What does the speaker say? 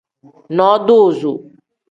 Nodoozo.